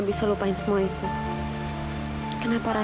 tidak ada yang bisa mengelakkan zahira